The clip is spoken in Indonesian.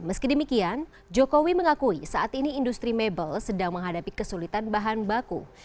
meski demikian jokowi mengakui saat ini industri mebel sedang menghadapi kesulitan bahan baku